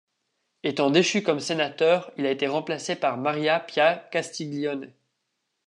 Étant déchu comme sénateur, il a été remplacé par Maria Pia Castiglione.